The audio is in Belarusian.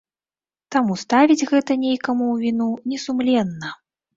Таму ставіць гэта некаму ў віну несумленна.